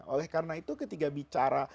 oleh karena itu ketika bicara